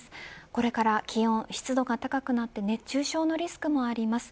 これから気温、湿度が高くなって熱中症のリスクもあります。